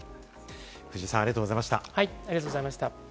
藤井さん、ありがとうございました。